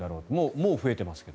もう増えていますけど。